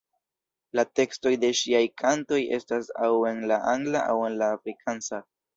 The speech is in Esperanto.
La tekstoj de ŝiaj kantoj estas aŭ en la angla aŭ en la afrikansa.